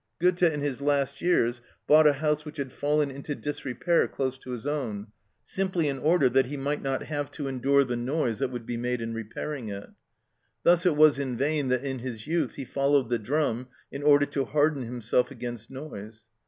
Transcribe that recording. (13) Gœthe in his last years bought a house which had fallen into disrepair close to his own, simply in order that he might not have to endure the noise that would be made in repairing it. Thus it was in vain that in his youth he followed the drum in order to harden himself against noise.